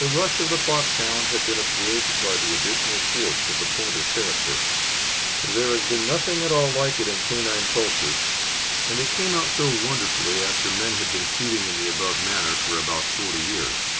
The rush of the Foxhound had been absorbed by the additional force of the Pointer character. There has been nothing at all like it in canine culture, and it came out so wonderfully after men had been shooting in the above manner for about forty years.